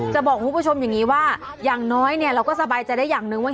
จะบอกคุณผู้ชมอย่างนี้ว่าอย่างน้อยเนี่ยเราก็สบายใจได้อย่างหนึ่งว่า